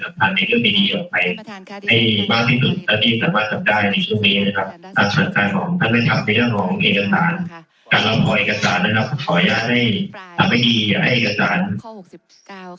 บางอย่างนะคะตอนที่มันใช้จริงจริงอย่างเดียวเขาก็ไปดีข่าว